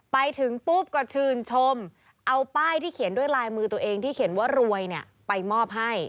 ไปถึงปุ๊บก็ชื่นชมเอาป้ายที่เขียนด้วยลายมือตัวเองที่เขียนว่ารวยไปมอบให้